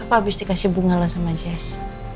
apa abis dikasih bunga lu sama jess